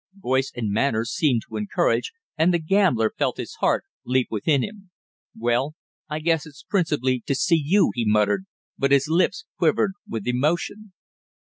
Voice and manner seemed to encourage, and the gambler felt his heart leap within him. "Well, I guess it's principally to see you!" he muttered, but his lips quivered with emotion.